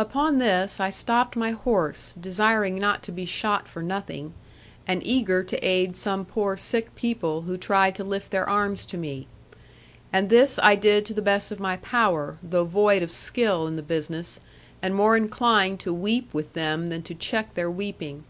Upon this I stopped my horse, desiring not to be shot for nothing; and eager to aid some poor sick people, who tried to lift their arms to me. And this I did to the best of my power, though void of skill in the business; and more inclined to weep with them than to check their weeping.